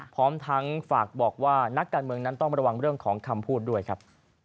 พร้อมทั้งฝากบอกว่านักการเมืองนั้นต้องระวังเรื่องของคำพูดด้วยครับ